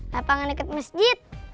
lapangan deket masjid